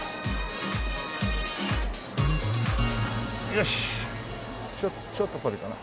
よしちょっと遠いかな？